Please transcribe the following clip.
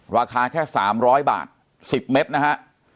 ราคาแค่๓๐๐บาท๑๐เมตรนะฮะ